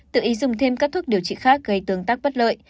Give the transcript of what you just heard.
tự ý dùng thêm các thuốc điều trị khác gây tương tác bất lợi